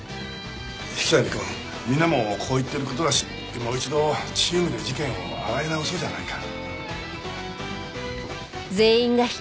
引谷くんみんなもこう言ってる事だしもう一度チームで事件を洗い直そうじゃないか。